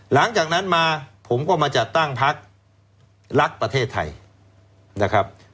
หลังจากนั้นมาผมก็มาจัดตั้งพักรักประเทศไทยนะครับ